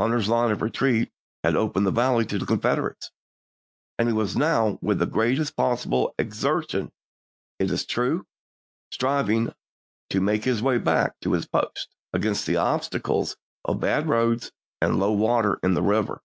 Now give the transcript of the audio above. Hunter's line of retreat had opened the valley to the Confederates, and he was now, with the greatest possible exertion, it is true, striving to make his way back to his post, against the obstacles of bad roads and low water in the river.